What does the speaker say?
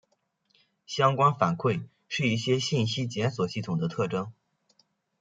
相关反馈是一些信息检索系统的特征。